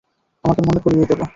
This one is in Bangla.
আমাকে মনে করিয়ে দেবো।